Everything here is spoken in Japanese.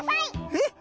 えっ？